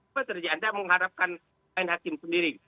apa yang terjadi anda menghadapkan lain hakim sendiri